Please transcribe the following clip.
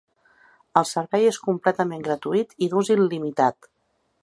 El servei és completament gratuït i d’ús il·limitat.